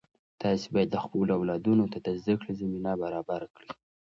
تاسې باید خپلو اولادونو ته د زده کړې زمینه برابره کړئ.